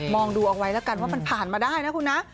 องดูเอาไว้แล้วกันว่ามันผ่านมาได้นะคุณนะ